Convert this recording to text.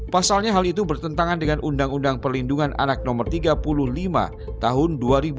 pasalnya hal itu bertentangan dengan undang undang perlindungan anak no tiga puluh lima tahun dua ribu dua puluh